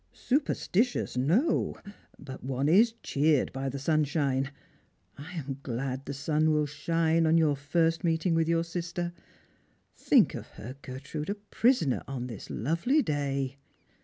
" Superstitious, no ; but one is cheered by the sunshine. I am glad the sun will shine on your first meeting with your sister. Think of her, Gertrude, a prisoner on this lovely day